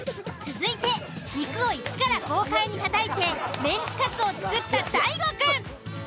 続いて肉を一から豪快に叩いてメンチカツを作った大悟くん。